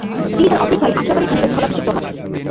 তিনি তার অর্ধেক ভাই আশরাফ আলী খানের স্থলাভিষিক্ত হন।